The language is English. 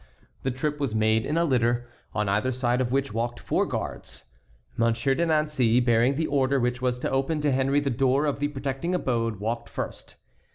The trip was made in a litter, on either side of which walked four guards. Monsieur de Nancey, bearing the order which was to open to Henry the door of the protecting abode, walked first.